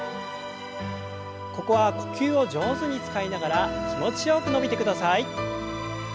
ここは呼吸を上手に使いながら気持ちよく伸びてください。